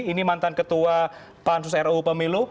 ini mantan ketua pansus ruu pemilu